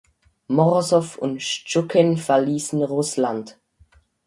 Morosow und Schtschukin verließen Russland.